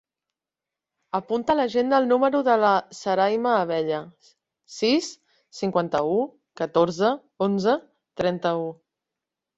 Apunta a l'agenda el número de la Sarayma Abella: sis, cinquanta-u, catorze, onze, trenta-u.